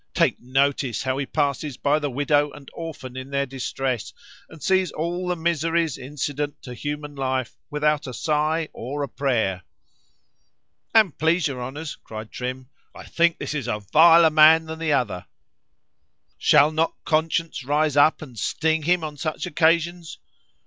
Take notice how he passes by the widow and orphan in their distress, and sees all the miseries incident to human life without a sigh or a prayer." [An' please your honours, cried Trim, I think this a viler man than the other.] "Shall not conscience rise up and sting him on such occasions?